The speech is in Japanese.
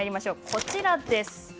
こちらです。